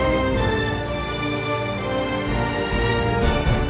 apakah sudah yang monaten nama nama